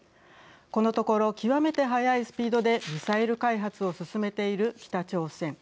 このところ極めて早いスピードでミサイル開発を進めている北朝鮮。